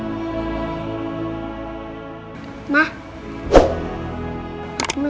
aku mau telfon bapak dulu ma